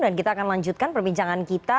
dan kita akan lanjutkan perbincangan kita